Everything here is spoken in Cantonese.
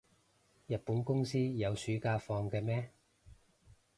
日本公司有暑假放嘅咩？